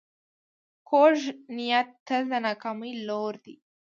کوږ نیت تل د ناکامۍ لوری نیسي